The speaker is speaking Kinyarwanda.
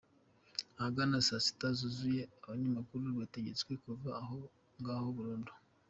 Ahagana saa sita zuzuye abanyamakuru bategetswe kuva aho ngaho burundu.